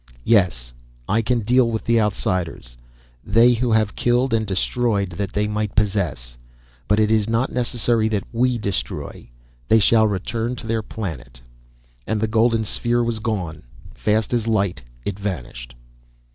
"Yes, I can deal with the Outsiders they who have killed and destroyed, that they might possess. But it is not necessary that we destroy. They shall return to their planet." And the golden sphere was gone, fast as light it vanished.